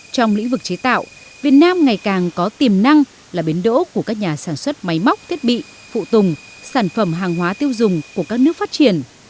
trong lĩnh vực chế tạo việt nam ngày càng có tiềm năng là bến đỗ của các nhà sản xuất máy móc thiết bị phụ tùng sản phẩm hàng hóa tiêu dùng của các nước phát triển